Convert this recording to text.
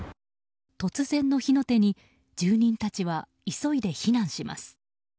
突然の火の手に住人達は急いで避難します。